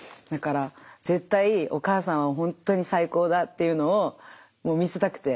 だから絶対お母さんはほんっとに最高だっていうのを見せたくて。